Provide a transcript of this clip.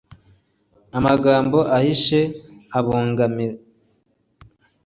Amagambo ahishe ubugambanyi